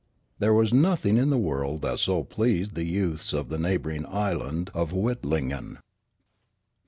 There was nothing in the world that so pleased the youths of the neighbouring island of Witlingen.